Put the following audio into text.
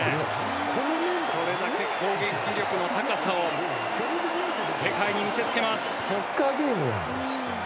それだけ攻撃力の高さを世界に見せつける。